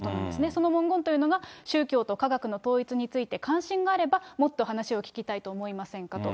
その文言というのが、宗教と科学の統一について関心があれば、もっと話を聞きたいと思いませんかと。